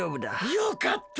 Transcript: よかった。